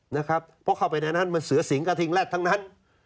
นะครับเพราะเข้าไปในนั้นมันเสือสิงกระทิงแรดทั้งนั้น